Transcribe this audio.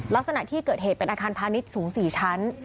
ลักษณะที่เกิดเหตุเป็นอาคารพาณิชย์สูง๔ชั้น